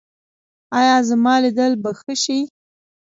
ایا زما لیدل به ښه شي؟